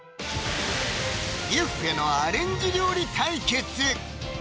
ビュッフェのアレンジ料理対決